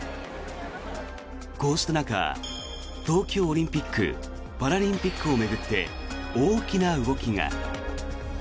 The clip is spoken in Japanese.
こうした中、東京オリンピック・パラリンピックを巡って大きな動きが。